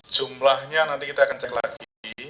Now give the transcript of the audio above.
jumlahnya nanti kita akan cek lagi